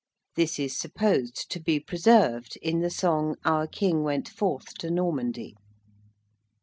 This is supposed to be preserved in the song 'Our King went forth to Normandy.'